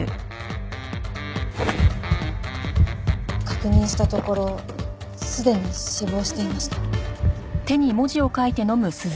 確認したところすでに死亡していました。